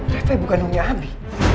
reva ibu kandungnya abi